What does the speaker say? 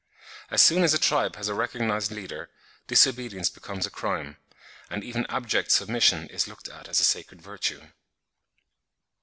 As soon as a tribe has a recognised leader, disobedience becomes a crime, and even abject submission is looked at as a sacred virtue.